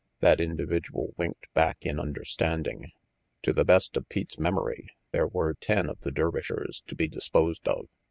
That individual winked back in understanding. To the best of Pete's memory there were ten of the Dervishers to be disposed of.